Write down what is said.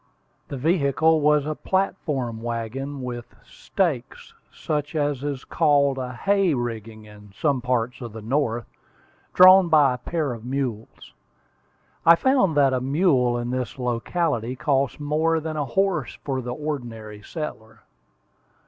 The vehicle was a platform wagon, with stakes, such as is called a "hay rigging" in some parts of the North, drawn by a pair of mules. I found that a mule in this locality cost more than a house for the ordinary settler.